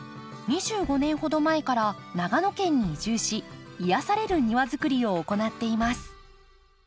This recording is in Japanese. ２５年ほど前から長野県に移住し癒やされる庭づくりを行っています。